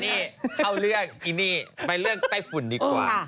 นี่เข้าเรื่องอีนี่ไปเลือกไต้ฝุ่นดีกว่า